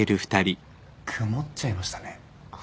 あ曇っちゃいましたね。